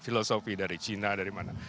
filosofi dari cina dari mana